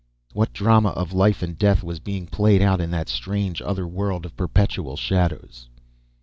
What drama of life and death was being played out in that strange other world of perpetual shadows?